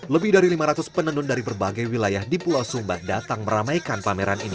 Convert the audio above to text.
lebih dari lima ratus penenun dari berbagai wilayah di pulau sumba datang meramaikan pameran ini